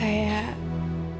sampai jumpa lagi